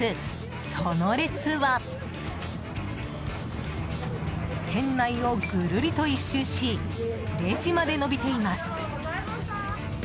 その列は、店内をぐるりと１周しレジまで伸びています。